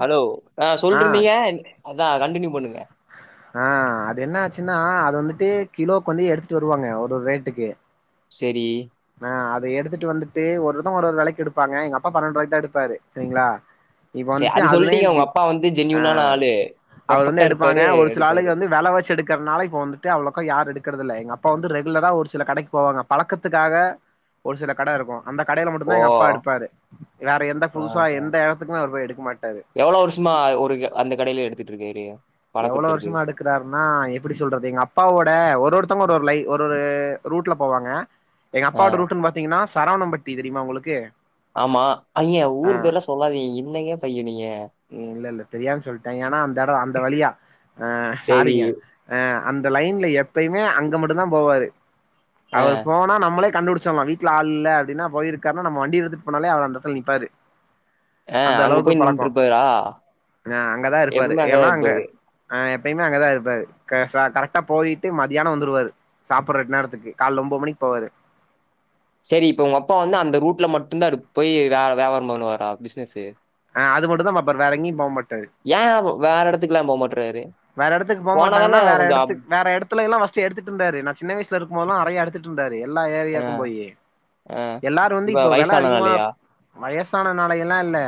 Hello ஆ சொல்ருதீங்கன் அதா கண்டினியூ பண்ணுங்க ஆ அது என்ன ஆச்சுன்னா அது வந்துட்டு கிலோக்கு வந்து எடுத்துட்டு வருவாங்க ஒரு ஒரு ரேட்டுக்கு செரி ஆ அத எடுத்துட்டு வந்துட்டு ஒருபோ ஒரு ஒரு வெலைக்கு எடுப்பாங்க எங்கப்பா பன்னண்ட்ரூவாய்க்கு தா எடுப்பாரு செரிங்களா இப்ப சே வந்துட்டு அது அதுலயூ சொல்ட்டீங்க இப்டி உங்க அப்பா வந்து ஆ ஜென்யூனான ஆளு. அது வந்து பெர்ஃபெக்ட்டா எடுப்பாங்க இருப்பாரு, ஒரு சில ஆளுங்க எடுப்பாரு. வந்து வெலவாசி எடுக்கற்னால இப்ப வந்துட்டு அவ்ளக்கா யார் எடுக்றதில்ல எங்கப் பா வந்து ரெகுலராக ஒரு சில கடைக்கு போவாங்க பழக்கத்துக்காக ஒரு சில கட இருக்கூ அந்த கடையில ஓ! மட்டுந்தா எங்கப்பா எடுப்பாரு வேற எந்த ஆ புதுசா ஆ. எந்தெடத்துக்குமே அவர் போய் எடுக்க மாட்டாரு எவ்ளோ வருஷமா ஒரு அந்த கடையிலே எடுத்துட்ருக்காரு? எவ்ளோ பழக்கத்திற்கு. வருஷமா எடுக்கறாருனா எப்டி சொல்றது எங்கப்பாவோட ஒரு ஒருத்தவுங் ஒர் ஒரு லை ஒரு ஒரு ரூட்ல போவாங்க ஆ எங்கப்பாவோட ரூட்டுன் பாத்தீங்கன்னா ஸ் சரவணம்பட்டி தெரியுமா உங்களுக்கு ஆமா ஐய்ய ஆ ஊரு பேர்லா சொல்லாதீங்க என்னங்க பைய நீங்க இல்லல்ல தெரியாம சொல்லிட்டே ஏனா அந்த எடோ அந்த வழியா ஆ சரி. சாரீங்க அ அந்த லைன்ல எப்பயுமே அங்க மட்டுந்தா போவாரு அ அவர் போனா நம்மளே கண்டுபடிச்சுர்லா வீட்ல ஆள் இல்ல அப்டின்னா போயிருக்காருன்னா நம்ம வண்டி எடுத்துட்டு போனாலே அவர் அந்தெடத்தில நிப்பாரு ஆ அங்க அந்தளவுக்கு போய் பழக்கோ நின்ட்ருப்பாரா? ஆ அங்கதா இருப்பாரு எப்பவுமே ஏனா அங்கதான் அங்க இருப்பாரு. ஆ மெயினா அங்கதா இருப்பாரு க சா கரெக்டா போயிட்டு மதியானோ வந்துருவாரு சாப்புட்றக் நேரத்துக்கு கால்லே ஒம்போத் மணிக் போவாரு [inaudible] செரி இப்ப உங்கப்பா வந்து அந்த ரூட்ல மட்டுந்தா இருப் போய் வே வியபாரோ பண்ணுவாரா பிஸ்னஸு ஆ அது மட்டுந்தா பாப்பாரு வேற எங்கயு போ மாட்டாரு ஏ வேறெடத்துக்குல்லா போ மாட்றாரு வேறெடத்துக்கு போ மாட்டங்கன்னா வேறெடத்துக் வேறடத்துலல்லா ஃபஸ்ட் எத்துட்டுந்தாரு நா சின்ன வயசுல இருக்கும்போத்லா நறைய எடுத்துட்ருந்தாரு எல்லா ஆ. ஏரியாக்கு போயி ஆ எல்லாரு வந்து இப்ப வெல அதிகமா வயஸ் சானலா எல்லா இல்ல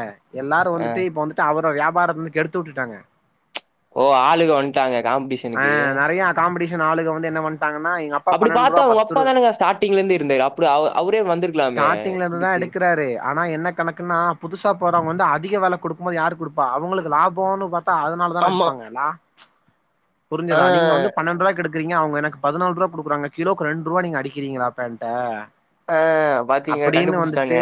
எல்லாரு ஆ வந்துட்டு இப்ப வந்துட்டு அவரு வியாபாரோ வந்து கெடுத்து வுட்டுட்டாங்க ஓ ஆளுக வன்டாங்க ஆ நெறைய காம்படிஷன் ஆளுக வந்து என்ன பண்ட்டாங்கன்னா எங்கப்பா அப்டி பாத்தா பன்னண்ட்ரூவா உங்க அப்பா பத்து தானங்க ஸ்டார்டிங்ல இருந்து இருந்தாரு அப்டி அவ அவரே வந்திருக்கலாமே ஸ்டாடிங்லேந்துதா புடிச்சு எடுக்குறாரு ஆனா என்ன கணக்குன்னா புதுசா போற வந்து அதிக வெல குடுக்கும்போது யாரு குடுப்பா அவுங்களுக்கு லாபோனு பாத்தா அதனால தான ஆமா எடுப்பாங்கல்லா ஆ புரிஞ்சுதா நீங்க வந்து பணண்ட்ரூவாகு எடுக் கிறிங்க அவுங்க எனக்கு பதனால்ரூவா குடுக்குறாங்க கிலோக்கு ரெண்டு ரூவா நீங்க அடிக்கிறீங்களா அப்ப என்ட்ட ஆ பாத்தீங்க அப்பிடின்னு கண்டுபுடிச்ட்டாங்க வந்துட்டு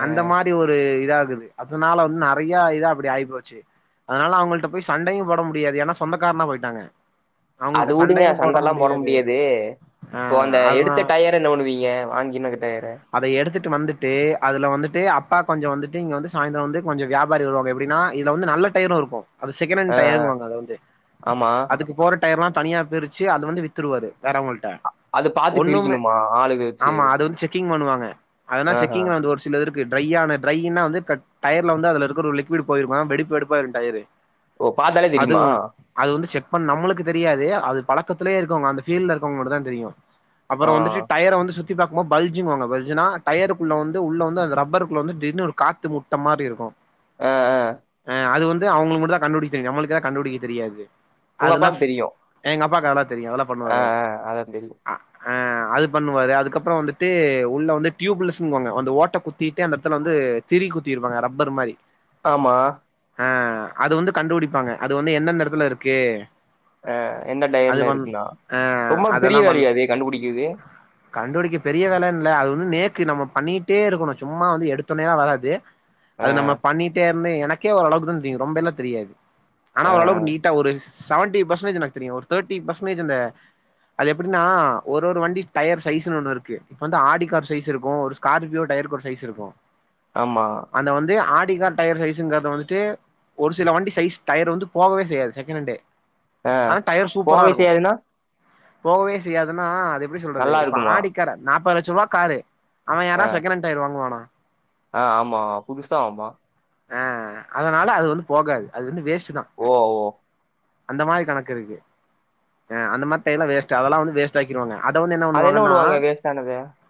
ஆ அந்த மாரி ஒரு இதா துது அதனால வந்து நெறைய இது அப்படி ஆயி போச்சு அதனால அவங்கள்ட போய் சண்டையு போட முடியாது எனா சொந்தக்காரனா போயிட்டாங்க அது உடுங்க சண்டல்லா போட முடியாது ஆ இப்போ அந்த அதனா எடுத்த டயர என்ன பண்ணுவீங்க வாங்கினங்க டயர அத எடுத்துட்டு வந்துட்டு அதுல வந்துட்டு அப் பா கொஞ்சோ வந்துட்டு இங்க வந்து சாய்ந்த்ரோ வந்துட்டு கொஞ்சோ வியாபாரி வருவாங்க எப்டினா இதுல வந்து நல்ல டையரூ இருக்கூ அது ஆ செகணண்ட் ஆ டயருன் வாங்க அத வந்து ஆமா அந்த டயர்லா தனியா பிரிச்சி அத வந்து வித்துருவாரு வேறவ்ங்கள்ட அது பாத்து ஒன்னுமே பிரிக்கணுமா ஆளுக வச்சு ஆமா அது வந்து செக்கிங் பண்ணுவாங்க அதனா ஆஹா செக்கிங்ல வந்து ஒரு சிலதுருக் க்கு ட்ரையான ட்ரையுனா வந்து கட் டயர்ல வந்து அதுல இருக்க ஒரு லிக்விடு போயிருக்கு வெடிப்பு வெடிப்பாயிரு டயரு ஓ பாத்தாலே அது தெரியுமா ஒன் அது வந்து செக் பண் நம்மளுக்கு தெரியாது அது பழக்கத்துலே இருக்கவ்ங்க அந்த ஃபீல்ட்ல இருக்கவ்ங்க மட்டுந்தா தெரியு அப்பற ஆ வந்துட்டு டயர வந்து சுத்தி பாக்கும்போ பல்ஜிங்வாங்க பல்ஜினா டயருக்குள்ள வந்து உள்ள வந்து அது ரப் ப்பருகுள்ள வந்து திடீர்னு ஒரு காத்து முட்ட மாரி இருக்கு ஆ ஆ இது அவ்ங்களுக்கு மட்டு தா கண்டுபுடிக்க தெரியு நம்மளுக்குலா கண்டுபுடிக்க தெரியாது உங்க அப்பாக்கு அதுனாஃப் தெரியு எங்க அப்பாக்கு அதுலா தெரியு அதலா பண்ணுவாரு ஆ அவரு ஆ அதா தெரியு ஆ அது பண்ணுவாரு அதுக்கப்பற வந்துட்டு உள்ள வந்து டியூப்லெஸுங்வாங்க அந்த ஓட்ட குத்திட்டு அந்த எடத்துல வந்து திரி குத்திருப்பாங்க ரப்பர் மாரி ஆமா ஆ அது வந்து கண்டுபுடிப்பாங்க அது வந்து எந்தந்த எடத்துல இருக்கு அ எந்த அது டயர்ல வந் இருக்குனா ஆ ரொம்ப பெரிய வேலையா இது கண்டுபுடிக்கிறது கண்டுபுடிக்க பெரிய வேலன்ல்ல அது வந்து நேக்கு நம்ம பண்ணிகிட்டே இருக்கணு சும்மா வந்து எடுத்தோனேலா வராது அது அஹ் நம்ம பண்ணிட்டே இருந்து எனக்கே ஓரளவுக்கு தா தெரியு ரொம்பெல்லா தெரியாது ஆனா அஹ் ஓரளவுக்கு நீட் ஒரு சவன்ட்டி பர்சென்டேஜ் எனக்கு தெரியு ஒரு தேட்டி பர்சென்டேஜ் இந்த அது எப்பிட்னா ஒரு ஒரு வண்டி டயர் சைஸ்னு ஒன்னு இருக்கு இப்ப வந்து ஆடி கார் சைஸ் இருக்கு ஒரு ஸ்கார்பியோ டய ருக்கொரு சைஸ் இருக்கு ஆமா அந்த வந்து ஆ டி கார் டயர் சைஸ்சுங்கறது வந்துட்டு ஒரு சில வண்டி சைஸ் டயரு வந்து போகவே செய்யாது சகெணன்டு அஹ் ஆனா டயர் சூப்பரா போகை இருக்கு செய்யாதுன்னா போகவே செய்யாதுனா அது எப்டி சொல்றது நல்லா இப்ப இருக்குமா ஆடிக்கார நாப்பது லெச்ச ரூவா காரு அவ யாரா செகணன்ட் டயர் வாங்குவானா ஆ ஆமா புதுசா ஆமா அ அதனால அது வந்து போகாது அது வந்து வேஸ்ட்டு தா ஓ ஓ அந்த மாரி கணக்கு இருக்கு அ அந்த மாரி டயர்லா வேஸ்ட்டு அதெல்லா வந்து வேஸ்ட் ஆக்கிருவாங்க அத வந்து என்ன பண்ணுவாங்கன்னா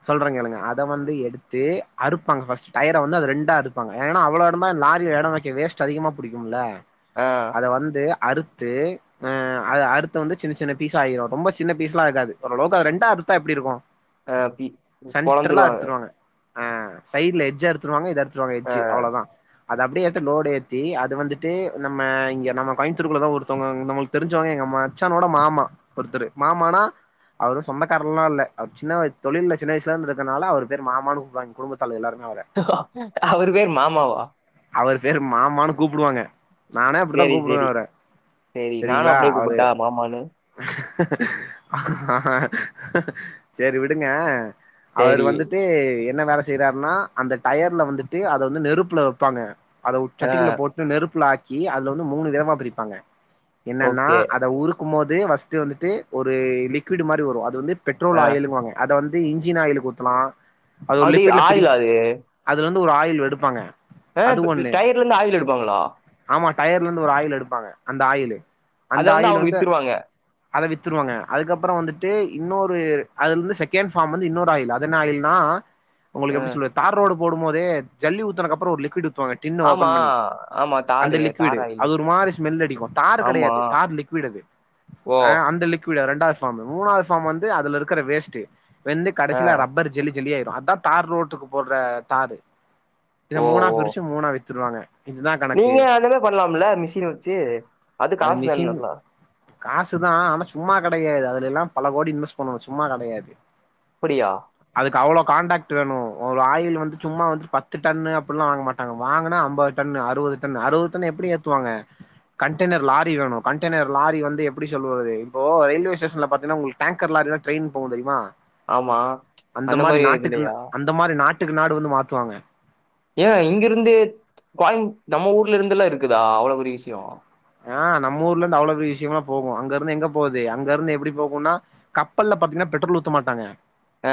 சொல்றே கேளுங்க அத வந்து எடுத்து அறுப்பாங்க ஃபஸ்ட்டு டயர வந்து அத ரெண்டா அறுப்பாங்க ஏனா அவளோ இருந்தா என் லாரில எட வெக்கவே வேஸ்ட்டு அதிகமா புடிக்கும்ல ஆஹ் அத வந்து அறுத்து அ அத அறுத்தா வந்து சின்ன சின்ன பீஸா ஆய்ரு ரொம்ப சின்ன பீஸ்லா இருக்காது ஓரளவுக்கு அத ரெண்டா றுத்தா எப்டி இருக்கு ஆஹ் பி சென்ட்ரலா பொழந்துருவாங்க அறுத்துருவாங்க ஆ சைட்ல எஜ்ஜா எடுத்துருவாங்க இத எடுத்துருவாங்க எஜ்ஜு அஹ் அவ்ளதா அது அப்டியேத்த லோடு ஏத்தி அது வந்துட்டு நம்ம இங்க நம்ம கோய்ம் த்ருக்குள்ளதா ஒருத்தவ்ங்க நம்மள்க்கு தெரிஞ்சவ்ங்க எங்க மச்சானோட மாமா ஒருத்தரு மாமானா அவரு சொந்தக்காரர்லா இல்ல அவர் சின்ன வய தொழில்ல சின்ன வயசுலருந்து இருக்கனால அவரு பேரு மாமானு கூப்டுவாங்க குடும்பத்தாலுக எல்லாருமே அவர அ அவரு பேரு மாமாவா அவரு பேரு மாமானு கூப்டுவாங்க நானே அப்டித்தா சேரி கூப்டுவே சேரி அவர சேரி நானு சரிங்களா அப்டியே அவர் கூப்புட்டா மாமானு சேரி விடுங்க அவரு சேரி வந்துட்டு எ ன்ன வேல செய்றாருன்னா அந்த டயர்ல வந்துட்டு அத வந்து நெருப்புல வப்பாங்க அத ஒரு ஆஹ் சட்டிக்குள்ள போட்டு நெருப்புல ஆக்கி அதுல வந்து மூணு விதமா பிரிப்பாங்க என்னன்னா ஓகே அத உருக்கும் போது ஃபஸ்ட்டு வந்துட்டு ஒரு லிக்விடு மாரி வரு அது வந்து பெட்ரோல் ஆஹ் ஆயிலுன்வாங்க அத வந்து இன்ஜின் ஆயிலுக்கு ஊத்தலா அத ஒரு அது லிக்விட்ல ஆயில் பிரிக் அது அதுல வந் து ஒரு ஆயில் எடுப்பாங்க ஆ அது டட ஒரு ஒண்ணு டயர்லலா ஆயில் எடுப்பாங்ளா ஆமா டயர்ல இருந்து ஒரு ஆயில் எடுப்பாங்க அந்த ஆயிலு அத அந்த வந்து ஆயில் அவுங்க வித்துருவாங்க அத வித்துருவாங்க அதுக்கப்பறோ வந்துட்டு இன்னொரு அதுல இருந்து செகண்ட் ஃபார்ம் வந்து இன்னொரு ஆயில் அது என்ன ஆயில்ன்னா உங்களுக்கு எப்டி ஆஹ் சொல்றது தார் ரோடு போடும் போதே ஜல்லி ஊத்துனதுக்கு அப்பறோ ஒரு லிக்விடு துவாங்க டின்ன ஓபன் ஆமா பண்ணி ஆமா அந்த தாரு லிக்வீடு தார் ஆயில் அது ஒரு மாரி ஸ்மல் அடிக்கு தார் ஆமா கெடையாது தார் லிக்வீடு அது ஓ அந்த லிக்வீட் ரெண்டாவது ஃபார்ம் மூணாவது ஃபார்ம் வந்து அதுல இருக்குற வேஸ்ட் வெந்து கடைசில ஆஹ் ரப்பர் ஜெல்லி ஜெல்லியாயிரு அதா தார் ரோட்டுக்கு போடுற தாரு இத ஓ மூணா ஓ பிருச்சு மூணா வித்துருவாங்க இதுதான் கணக்கு நீங்க அதுல பண்ணலாம்ல மிஷின் வச்சு அது காசு மிஷின் தானல்ல காசுதா ஆனா சும்மா கெடையாது அது அதெல்லா பல கோடி இன்வெஸ்ட் பண்ணணு சும்மா கெடையாது அப்படியா அதுக்கு அவ்ளோ கான்டாக்ட் வேணு ஒரு ஆயில் வந்து சும்மா வந்துட்டு பத்து டன்னு அப்புல்லா வாங்க மாட்டங்க வாங்குனா அம்பது டன்னு அறுவது அம்பது டன்னு அறுவது டன்னு எப்புடி ஏத்துவாங்க கண்டெய்னர் லாரி வேணு கண்டெய்னர் லாரி வந்து எப்புடி சொல்லுவாரு இப்போ ரயில்வே ஸ்டேஷன்ல பாத்தீங்கனா உங்களுக்கு டேங்கர் லாரி ல்ல ட்ரையின் போகு தெரியுமா ஆமா அந்த மாரி நாட்டுக்குன்னு அந்த மாரி நாட் ட்டுக்கு நாடு வந்து மாத்துவாங்க ஏ இங்கிருந்தே கோயம் நம்ம ஊர்ல இருந்து எல்லா இருக்குதா அவ்ளோ பெரிய விஷியோ ஆ நம்ம ஊர்ல இருந்து அவ்ளோ பெரிய விஷியமெல்லா போகு அங்க இருந்து எங்கப் போகுது அங்க இருந்து எப்டி போகும்னா கப்பல்ல பாத்தீங்கன்னா பெட்ரோல் ஊத்த மாட்டாங்க ஆ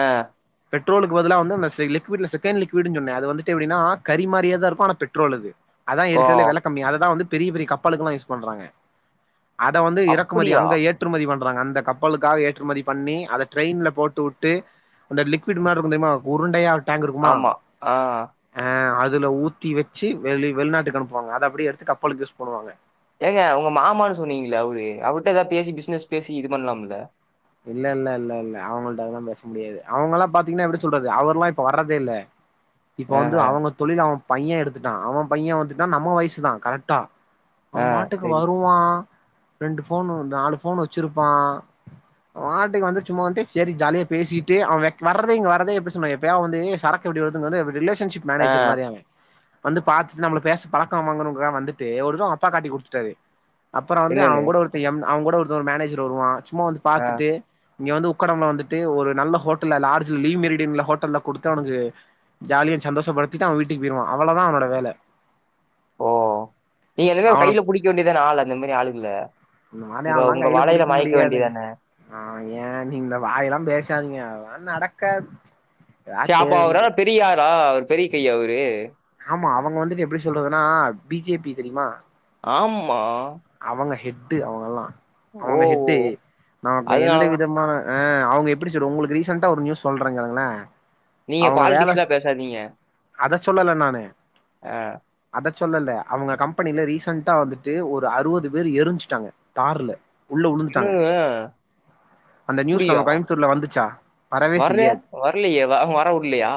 பெட்ரோலுக்கு பதுல்ல வந்து அந்த லிக்விட்ல செகண்ட் லிக்வீட் சொன்னே அது வந்துட்டு எப்டின்னா கறி மாறியேதா இருக்கூ ஆனா பெட்ரோல் அது அதா ஓ இருக்குற்துலயே வெல கம்மி அததா வந்து பெரிய பெரிய கப்பலுக்கு எல்லா யூஸ் பண்றாங்க அத வந்து இறக்குமதி அப்படியா அங்க ஏற்றுமதி பன் றாங்க அந்த கப்பலுக்காக ஏற்றுமதி பண்ணி அத டிரையின்ல போட்டு வுட்டு அந்த லிக்விட் மாரி இருக்கு தெரியுமா உருண்டையா டேங்க் இருக்குமா ஆமா ஆ அ அது அதுல ஊத்தி வச்சு வெளி வெளிநாட்டுக்கு அனுப்புவாங்க அத அப்டியே எடுத்து கப்பலுக்கு யூஸ் பண்ணுவாங்க ஏங்க உங்க மாமான்னு சொன்னீங்கள அவுரு அவுர்ட்டா ஏதாவுது பேசி பிசினஸ் பேசி இது பண்லாம்ல இல்ல இல்ல இல்ல இல்ல அவங்கள்டலா பேச முடியாது அவங்களா பாத்தீங்ன்னா எப்டி சொல்றது அவர்ல்லா இப்ப வர்றதே இல்ல இப்ப ஆ வந்து அவங்க தொழில அவ பையே எடுத்துட்டா அவ பையே வந்துட்டா நம்ம வயசுதா கரட்டா ஆ அவன் பாட்டுக்கு சரி வருவா ரெண்டு ஃபோனு நாலு ஃபோன் வச்சிருப்பா வாட்டுக்கு வந்து சும்மா வந்துட்டு செரி ஜாலியா பேசிட்டு அவேக் அவே வர்றதே இங்க வரதே எப்பிடி சொன்னா எப்பயாவு வந்து சரக்கு எப்பிடி [unintelligible] ரிலேஷன்ஷிப் ஆ மேனேஜர் மாரியவே வந்து பாத்துட்டு நம்ம பேச பலக்கம் வாங்கணுன்கா வந்துட்டு ஒரு தடவ அவுங்க அப்பா காட்டி குடுத்துட்டாரு அப்புறோ வந்து என்னன்னு அவங் கூட ஒருத்த எம் அவங் கூட ஒருத்த ஒரு மேனேஜர் வருவா சும்மா வந்து ஆ பாத்துட்டு இங்க வந்து உக்கடம்ல வந்துட்டு ஒரு நல்ல ஹோட்டல்ல லார்ஜ் லீவ் மெரிடின் உள்ள ஹோட்டல்ல குடுத்து அவனுக்கு ஜாலியா சந்தோஷப்படுத்திட்டு அவெ வீட்டுக்கு போய்ருவா அவளதா அவனோட வேல ஓ நீங்க அந்த மாரி அவன கைல புடிக்க வேண்டியதான ஆள் அந்த மாரி ஆளுங்கல இந்த மாரி ஆள்லா கைல புடிக்க முடியாதுங்க ஆ ஏ நீ இந்த வாயெல்லா பேஸ் சாதீங்க அதெல்லா நடக்காது எதா சேப்பா அவரா தெரிஞ்சு பெரியாரா அவரு கையா அவரு ஆமா அவுங்க வந்துட்டு எப்டி சொல்றதுன்னா பி ஜே பி தெரியுமா ஆமா அவுங்க ஹெட்டு அவுங்கல்லா ஓ அவுங்க ஓ ஹெட்டு நமக்கு எந்த அதனாலதான் விதமான ஆ அவுங்க எப்டி சொல்றது உங்களுக்கு ரீசண்டா ஒரு நியூஸ் சொல்றே கேளுங்களே நீங்க அவங்க வேல பாலிடிக்ஸ்லா பேசாதீங்க அத சொல்லல நானு ஆ அத சொல்லல்ல அவுங்க கம்பெனில ரீசன்டா வந்துட்டு ஒரு அறுவது பேரு எருஞ்சுட்டாங்க தார்ல உள்ள உழுந்துட்டாங்க இன்னோனுங்க அந்த நியூஸ் அப்புடியா நம்ம கோயம்புத்தூர்ல வந்துச்சா வரவே வர்ல செய்யாது வரலயே வ வரவுட்லயா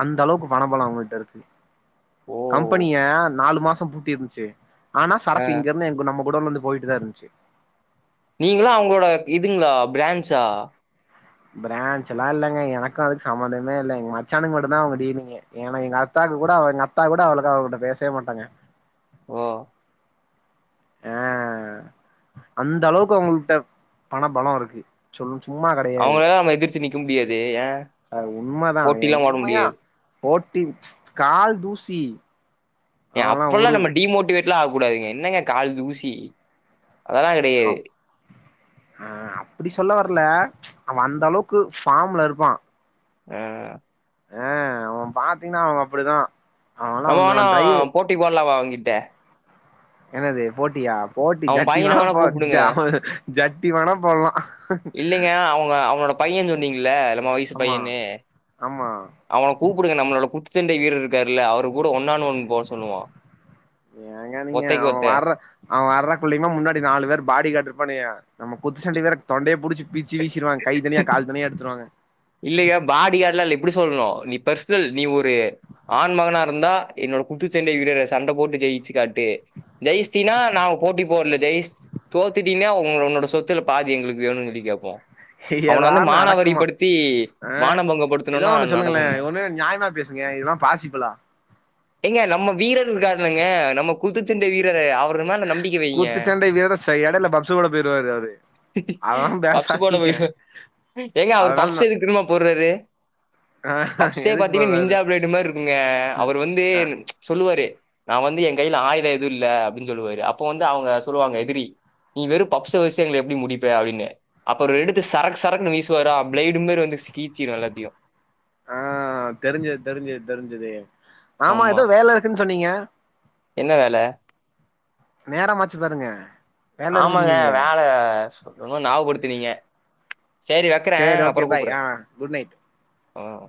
அந்த அளவுக்கு பண பலோ அவுங்கட்ட இருக்கு ஓ! கம்பெனிய நாலு மாசோ பூட்டிருந்துச்சு ஆனா ஆ சரக்கு இங்க இருந்து நம்ம குடோன்ல இருந்து போயிட்டுதா இருந்துச்சு நீங்களா அவுங்களோட இதுங்களா ஃப்ரான்ஜா ப்ரான்ஜ்சு எல்லா இல்லங்க எனக்கு அதுக்கு சம்பந்தமே இல்ல எங்க மச்சானுக்கு மட்டுந்தா அவுங்க டீலிங்கே ஏன்னா எங்க அத்தா கூட அவ எங்க அத்தா கூட அவளுக்கு அவகிட்ட பேசவே மாட்டாங்க ஓ அ அந்த அளவுக்கு அவுங்கள்ட்ட பண பலோ இருக்கு சொல்லு சும்மா கெடையாது அவங்களலாம் நம்ம எதிர்த்து நிக்க முடியாது. ஏன் அ உண்மதா ஏ போட்டிலாம் போட உண்மையா முடியாது. ஓட்டிங்ஸ் கால் தூசி எ அவன்லா அப்ட்லா ஒரு நம்ம டிமோட்டிவேட்லா ஆக கூடாதுங்க என்னங்க கால் தூசி அதெல்லாம் கிடையாது. அவ் அ அப்படி சொல்ல வர்ல அவ அந்த அளவுக்கு ஃபார்ம்ல இருப்பா அ அ அவ பாத்தீங்கன்னா அவ அப்டிதா அவன்லா நம்ம ஒன்னு அவ வேணா டிரைவு போட்டி போட்லா வா அவங்கிட்ட என்னது போட்டியா போட்டி அவன் ஜட்டி பையன வேனா வேணா போ ஜ கூப்பிடுங்க. ஜட்டி வேணா போட்லா இல்லிங்க அவங்க அவனோட பையன் சொன்னீங்கள உங்க வயசு ஆமா பையனு ஆமா அவன கூப்டுங்க நம்மளோட குத்துச்சண்டை வீரர்ருக்கரு கூட ஒன்னான் ஒன் போட சொல்லுவோ ஏங்க நீங்க ஒத்தைக்கு அவ ஒத்த வர்ற அவ வர்றக்குள்ளயுமே முன்னாடி நாலு பேர் பாடி கார்ட் இருப்பானுங்க நம்ம குத்துச்ச சண்டக்கு வேற தொண்டைய புடிச்சி இல்லயா பாடி கார்ட்லா இல்ல இப்டி சொல்ணு நிப் பர்சனல் நீ ஒரு ஆண் மகனாருந்தா என்னோட குத்துச்சண்டை வீரர சண்ட போட்டு ஜெயிச்சி காட்டு ஜெயிஸ்டீனா நா போட்டி போல்ல ஜெய்ஸ் தோத்துட்டீன்னா உங்க உன்னோட சொத்துல பாதி எங்களுக்கு வேணுன் சொல்லி கேப்போ அவன எதா வந்து நடக்குமா மானாவரிப்படுத்தி ஆ மானபங்கப்படுத்துனோன்னா நடக்குங்க எ இதெல்லா பாசிபலா ஏங்க நம்ம வீரர் இருக்காருல்லங்க நம்ம குத்துச்சண்டை வீரர் ரு அவரு மேல நம்பிக்க வைங்க குத்துச்சண்டை வீரர் ச எடையில பப்ஸு கூட போயிருவாரு அவரு அதெல்லா பப்ஸு போட பேசாதீங்க போயிடுவாரு ஏங்க அவரு அதனால பப்ஸ் நா எதுக்கு தெரும்மா போற்றாரு ஆ பப்சே எதுக்கு பாத்தீங்கன்னா போறாரு நிஞ்சா ப்ளேட்டு மார்ருக்குங்க அவர் வந்து ஆ சொல் லுவாரு நா வந்து எ கைல ஆயுதோ எதுல்ல அப்டின் சொல்லுவாரு அப்போ வந்து அவுங்க சொல்லுவாங்க எதிரி நீ வெறு பப்ச வெச்சி எங்கள எப்டி முடிப்ப அப்டின்னு அப்புறோ எடுத்து சரக்கு சரக்குன்னு வீசுவாரா பிளேடு மாரி வந்து ஸ்கீச்சிரு எல்லாத்தியு அ தெரிஞ்சிது தெரிஞ்சிது தெரிஞ்சிது ஆமா ஏதோ வேல இருக்குன் சொன்னீங்க என்ன வேல நேரம்மாச்சி பாருங்க வேல இருக்குன்னு ஆமாங்க சொன்னீங்களே வேல சொல்லனுன் ஞாப்படுத்தினீங்க செரி வெக்கற சேரி ஓகே அப்புறோ பாய் கூப்புற்ற ஆ குட் நைட் ம்